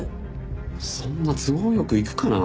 そんな都合良くいくかな？